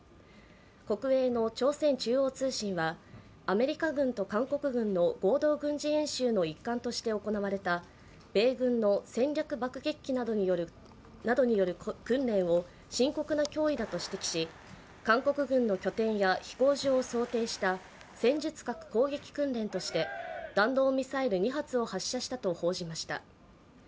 国営の朝鮮中央通信はアメリカ軍と韓国軍の合同軍事演習の一環として行われた米軍の戦略爆撃機などによる訓練を深刻な脅威だと指摘し、韓国軍の拠点や飛行場を想定した戦術核攻撃訓練として弾道ミサイル２発を発射したと報じました。